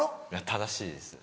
正しいです。